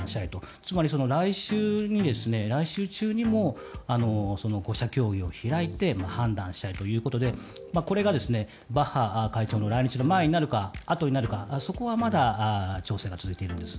つまり来週中にも５者協議を開いて判断したいということでこれがバッハ会長の来日の前になるかあとになるかはそこは調整が続いているんです。